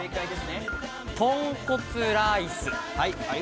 豚骨ライス。